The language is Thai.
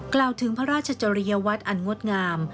กล่าวถึงพระราชจริยวัตรอันงดงาม